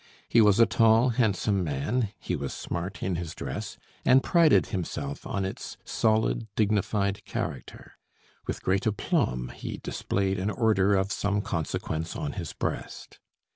He was a tall, handsome man, he was smart in his dress, and prided himself on its solid, dignified character; with great aplomb he displayed an order of some consequence on his breast.